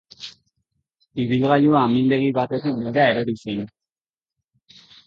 Ibilgailua amildegi batetik behera erori zen.